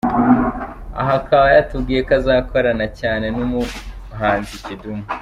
Aha akaba yatubwiye ko azakorana cyane n’umuhanzi Kidumu.